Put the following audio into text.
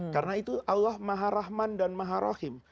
karena itu allah maha rahman dan maha rahim